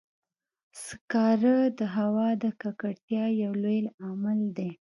سکاره د هوا د ککړتیا یو لوی عامل دی.